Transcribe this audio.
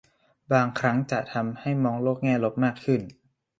บางครั้งจะทำให้มองโลกแง่ลบมากขึ้น